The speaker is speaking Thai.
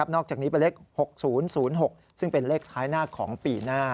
จากนี้เป็นเลข๖๐๐๖ซึ่งเป็นเลขท้ายหน้าของปีหน้า